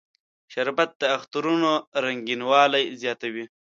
شربت د اخترونو رنگینوالی زیاتوي